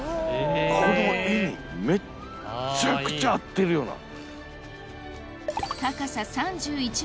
この絵にめっちゃくちゃ合ってるよな。